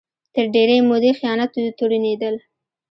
تر ډېرې مودې خیانت تورنېدل